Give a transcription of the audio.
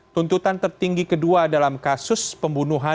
tuntutan tertinggi kedua dalam kasus pembunuhan